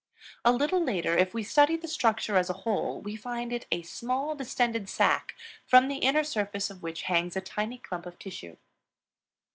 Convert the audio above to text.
A little later, if we study the structure as a whole, we find it a small, distended sac, from the inner surface of which hangs a tiny clump of tissue.